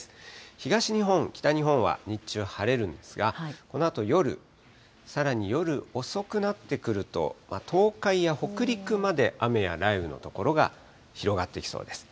東日本、北日本は日中、晴れるんですが、このあと夜、さらに夜遅くなってくると、東海や北陸まで雨や雷雨の所が広がってきそうです。